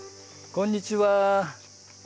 こんにちは。